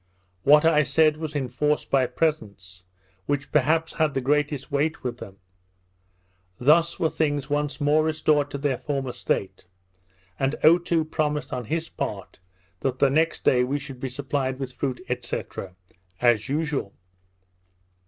What I said was enforced by presents, which perhaps had the greatest weight with them. Thus were things once more restored to their former state; and Otoo promised on his part, that the next day we should be supplied with fruit, &c. as usual.